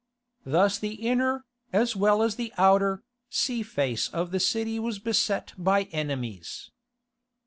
Thus the inner, as well as the outer, sea face of the city was beset by enemies.